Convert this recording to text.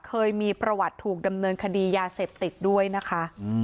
เคยมีประวัติถูกดำเนินคดียาเสพติดด้วยนะคะ